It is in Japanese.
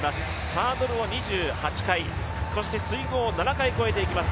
ハードルを２８回、そして水濠を７回越えていきます。